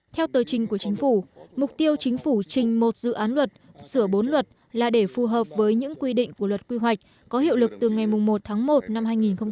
theo tờ trình của chính phủ mục tiêu chính phủ trình một dự án luật sửa bốn luật là để phù hợp với những quy định của luật quy hoạch có hiệu lực từ ngày một tháng một năm hai nghìn hai mươi